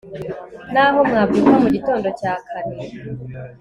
n'aho mwabyuka mu gitondo cya kare kare